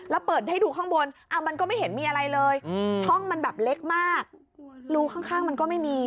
แล้วเปิดให้ดูข้างบนมันก็ไม่เห็นมีอะไรเลยช่องมันแบบเล็กมากรูข้างมันก็ไม่มี